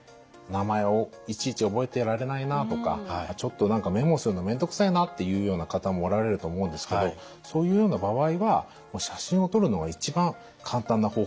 「名前をいちいち覚えてられないなあ」とか「ちょっと何かメモするの面倒くさいな」というような方もおられると思うんですけどそういうような場合は写真を撮るのが一番簡単な方法だと思います。